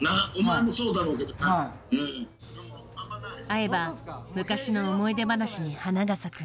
会えば昔の思い出話に花が咲く。